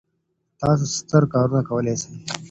تاسو ستر کارونه کولای سئ.